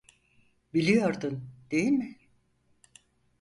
Biliyordun, değil mi?